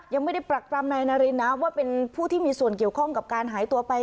ยังไม่ได้ปรักปรำนายนารินนะว่าเป็นผู้ที่มีส่วนเกี่ยวข้องกับการหายตัวไป